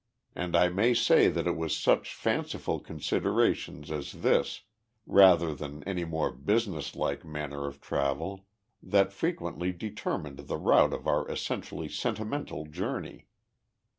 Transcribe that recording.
And I may say that it was such fanciful considerations as this, rather than any more business like manner of travel, that frequently determined the route of our essentially sentimental journey.